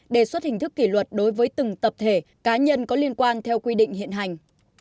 đề xuất hình thức kỷ luật đối với từng tập thể cá nhân có liên quan theo quy định hiện hành